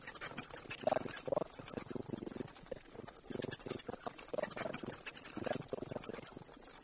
Ich schlage vor, zu versuchen, die Liste der Fraktionsredner abzuarbeiten, und dann zu unterbrechen.